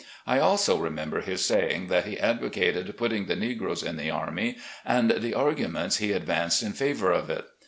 I also remember his saying that he advocated putting the negroes in the army, and the arguments he advanced in favour of it.